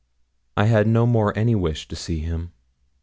I had no more any wish to see him.